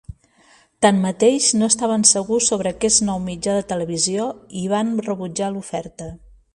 Tanmateix, no estaven segurs sobre aquest nou mitjà de televisió i van rebutjar l'oferta.